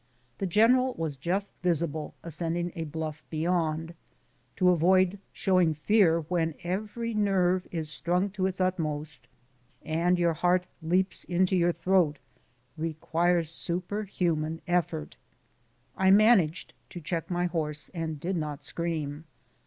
The gen eral was just visible ascending a bluff beyond. To avoid showing fear when every nerve is strung to its utmost, and your heart leaps into your throat, requires super human effort. I managed to check my horse and did not scream.